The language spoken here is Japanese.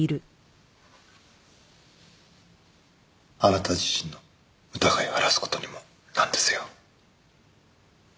あなた自身の疑いを晴らす事にもなるんですよ。